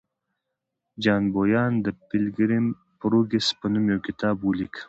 جان بونیان د پیلګریم پروګریس په نوم یو کتاب ولیکه